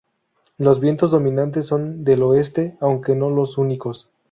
Los vientos dominantes son del oeste, aunque no los únicos.